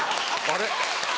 あれ？